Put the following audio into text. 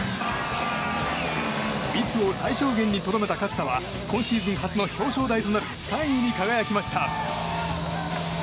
ミスを最小限にとどめた勝田は今シーズン初の表彰台となる３位に輝きました。